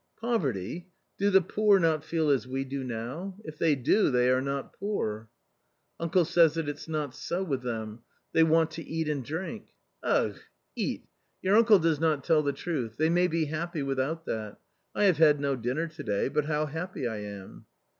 " Poverty ! do the poor not feel as we do now ; if they do, they are not poor." " Uncle says that it's not so with them — they want to eat and drink." " Ugh ! eat ! Your uncle does not tell the truth ; they may be happy without that ; I have had no dinner to day, but how happy I am